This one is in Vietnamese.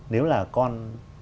nếu là con